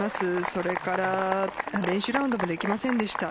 それから練習ラウンドもできませんでした。